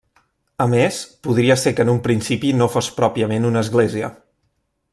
A més, podria ser que en un principi no fos pròpiament una església.